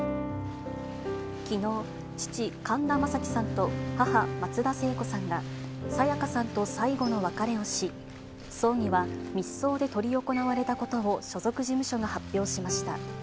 きのう、父、神田正輝さんと母、松田聖子さんが、沙也加さんと最後の別れをし、葬儀は密葬で執り行われたことを所属事務所が発表しました。